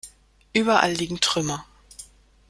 Überall liegen Trümmer.